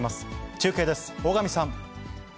中継です、大神さん。